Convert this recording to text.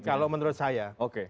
kalau menurut saya